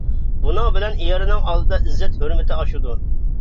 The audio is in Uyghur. بۇنىڭ بىلەن ئېرىنىڭ ئالدىدا ئىززەت ھۆرمىتى ئاشىدۇ.